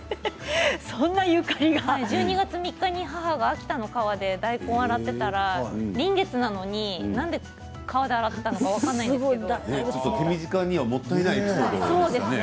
１２月３日に母が秋田の川で大根を洗っていたら、臨月なのになんで川で洗っていたのか分からないですけど。